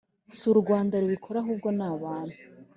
s’urwanda rubikora ahubwo nabantu